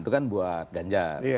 itu kan buat ganjar